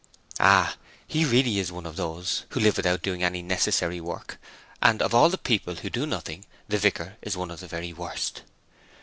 'Ah, he really is one of those who live without doing any necessary work, and of all the people who do nothing, the vicar is one of the very worst.'